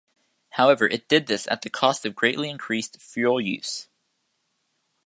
However, it did this at the cost of greatly increased fuel use.